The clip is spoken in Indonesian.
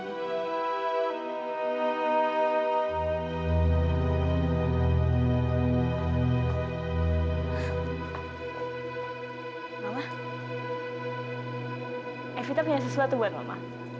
mama evita punya sesuatu buat mama